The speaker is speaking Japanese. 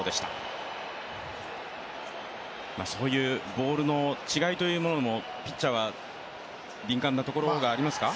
ボールの違いというものもピッチャーは敏感なところがありますか？